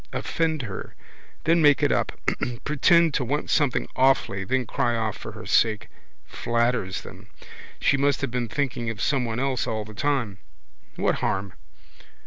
Offend her. Then make it up. Pretend to want something awfully, then cry off for her sake. Flatters them. She must have been thinking of someone else all the time. What harm?